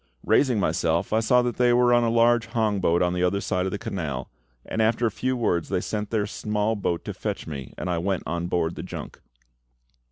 Raising myself, I saw that they were on a large hong boat on the other side of the canal, and after a few words they sent their small boat to fetch me, and I went on board the junk.